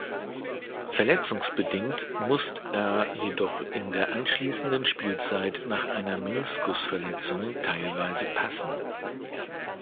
Verletzungsbedingt musst er jedoch in der anschließenden Spielzeit nach einer Meniskusverletzung teilweise passen.